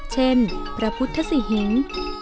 เช่นพระพุทธสิหิง